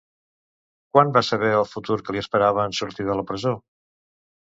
Quan va saber el futur que li esperava en sortir de la presó?